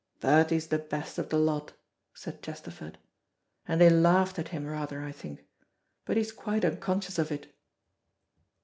"Bertie's the best of the lot," said Chesterford, "and they laughed at him rather, I think. But he is quite unconscious of it."